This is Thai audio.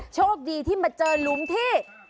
โชคดีที่มาเจอหลุมที่